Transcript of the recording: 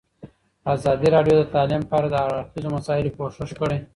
ازادي راډیو د تعلیم په اړه د هر اړخیزو مسایلو پوښښ کړی.